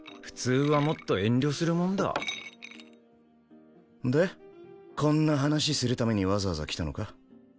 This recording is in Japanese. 普通はもっと遠慮するもんだ。でこんな話するためにわざわざ来たのか？